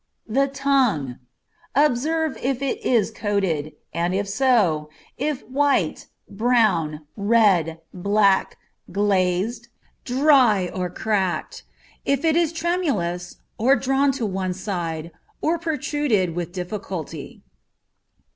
The tongue. Observe if it is coated, and if so, if white, brown, red, black, glazed, dry, or cracked; if it is tremulous, or drawn to one side, or protruded with difficulty.